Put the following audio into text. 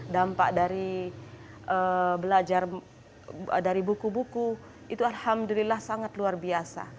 dampak dari belajar dari buku buku itu alhamdulillah sangat luar biasa